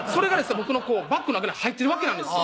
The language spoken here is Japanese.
僕のバッグの中に入ってるわけなんですよ